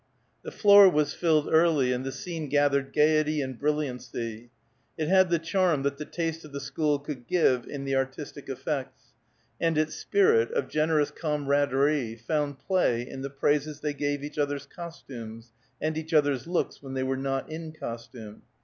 The floor was filled early, and the scene gathered gayety and brilliancy. It had the charm that the taste of the school could give in the artistic effects, and its spirit of generous comradery found play in the praises they gave each other's costumes, and each other's looks when they were not in costume.